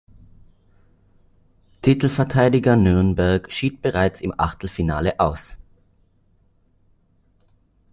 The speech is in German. Titelverteidiger Nürnberg schied bereits im Achtelfinale aus.